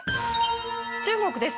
中国です。